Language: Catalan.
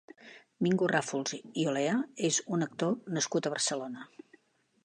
Mingo Ràfols i Olea és un actor nascut a Barcelona.